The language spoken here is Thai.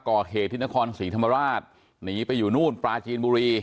ก่อเหตุที่นครศรีธรรมราชหนีไปอยู่นู่นปลาจีนบุรี